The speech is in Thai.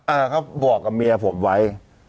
เขาบอกกับเมียผมไว้